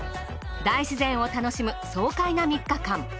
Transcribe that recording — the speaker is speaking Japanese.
大自然を楽しむ爽快な３日間。